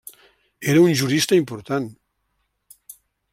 Era un jurista important.